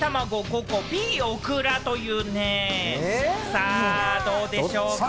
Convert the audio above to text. さあどうでしょうか？